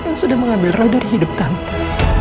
yang sudah mengambil roda di hidup tante